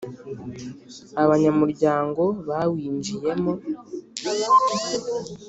Abanyamuryango bawinjiyemo